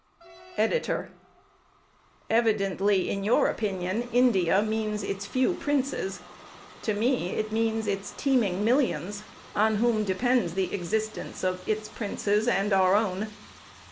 EDITOR: Evidently, in your opinion, India means its few princes. To me, it means its teeming millions, on whom depends the existence of its princes and our own.